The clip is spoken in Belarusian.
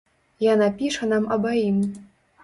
Яна піша нам абаім.